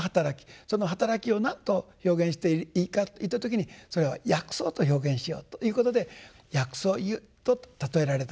その働きを何と表現していいかといった時にそれは「薬草」と表現しようということで「薬草喩」と譬えられたんだと。